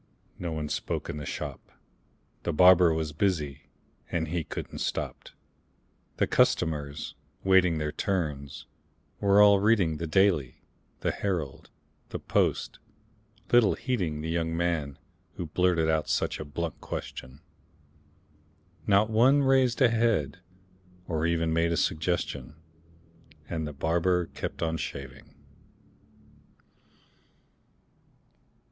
No one spoke in the shop: The barber was busy, and he couldn't stop; The customers, waiting their turns, were all reading The "Daily," the "Herald," the "Post," little heeding The young man who blurted out such a blunt question; Not one raised a head, or even made a suggestion; And the barber kept on shaving.